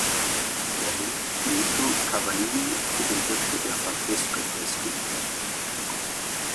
Er hält Pietro Cavallini für den Schöpfer der Francesco-Fresken.